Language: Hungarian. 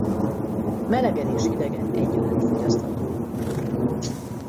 Melegen és hidegen egyaránt fogyasztható.